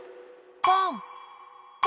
ポン！